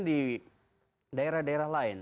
di daerah daerah lain